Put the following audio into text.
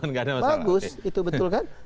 ya nggak ada masalah bagus itu betul kan